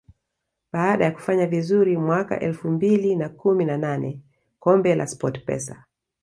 Baada ya kufanya vizuri mwaka elfu mbili na kumi na nane kombe la SportPesa